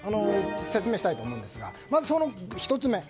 説明したいと思うんですがまず１つ目。